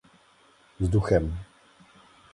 Vzduchem.